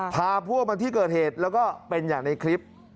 พาพวกมาที่เกิดเหตุแล้วก็เป็นอย่างในคลิป